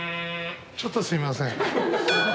ちょっとすみません。